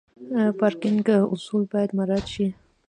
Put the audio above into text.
پارکینګ اصول باید مراعت شي.